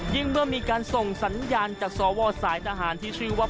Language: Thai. เมื่อมีการส่งสัญญาณจากสวสายทหารที่ชื่อว่า